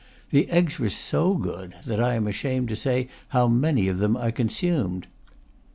The eggs were so good that I am ashamed to say how many of them I consumed.